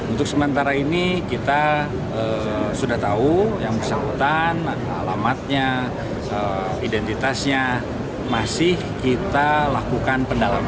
untuk sementara ini kita sudah tahu yang bersangkutan alamatnya identitasnya masih kita lakukan pendalaman